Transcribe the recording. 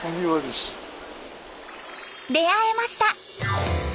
出会えました！